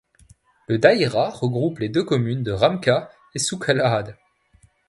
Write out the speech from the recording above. La daïra regroupe les deux communes de Ramka et Souk El Had.